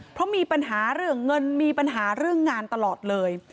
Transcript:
เพราะมีปัญหาเรื่องเงินมีปัญหาเรื่องงานตลอดเลย